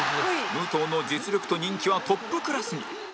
武藤の実力と人気はトップクラスに